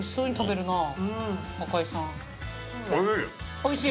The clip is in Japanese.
おいしい？